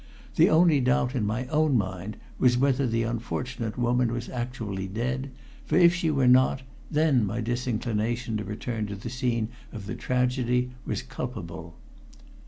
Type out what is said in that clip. The only doubt in my own mind was whether the unfortunate woman was actually dead, for if she were not then my disinclination to return to the scene of the tragedy was culpable.